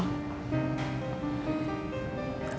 terima kasih pak